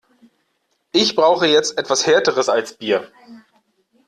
Ich brauche jetzt etwas Härteres als Bier.